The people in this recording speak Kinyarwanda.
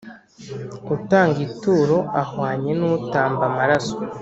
Utanga ituro ahwanye n utamba amaraso